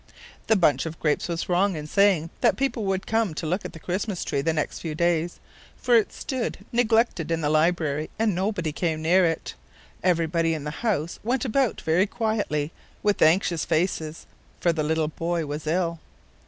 The bunch of grapes was wrong in saying that people would come to look at the Christmas tree the next few days, for it stood neglected in the library and nobody came near it. Everybody in the house went about very quietly, with anxious faces; for the little boy was ill.